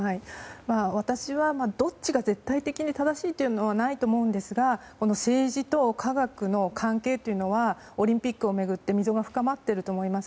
私はどっちが絶対的に正しいというのはないと思いますが政治と科学の関係はオリンピックを巡って溝が深まっていると思います。